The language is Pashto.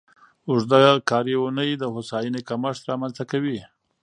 اوږده کاري اونۍ د هوساینې کمښت رامنځته کوي.